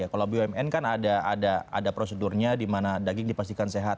kalau bumn kan ada prosedurnya di mana daging dipastikan sehat